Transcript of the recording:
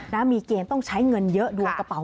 มีเกณฑ์ต้องใช้เงินเยอะดวงกระเป๋า